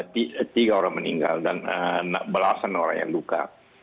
tiga orang meninggal dan belasan orang yang luka